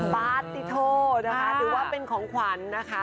ปาร์ตีโทนะคะถือว่าเป็นของขวัญนะคะ